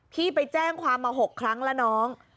พี่ไปแจ้งความมา๖ครั้งแล้วน้อง